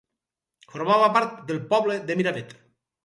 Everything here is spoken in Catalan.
Formava part del poble de Miravet.